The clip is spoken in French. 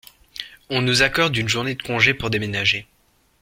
On nous accorde une journée de congé pour déménager.